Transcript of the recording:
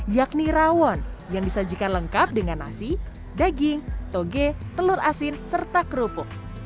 yakni rawon yang disajikan lengkap dengan nasi daging toge telur asin serta kerupuk